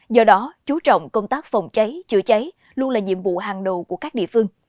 do đó chú trọng công tác phòng cháy chữa cháy luôn là nhiệm vụ hàng đầu của các địa phương